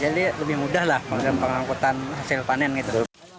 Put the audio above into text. jadi lebih mudah lah pengangkutan hasil panen gitu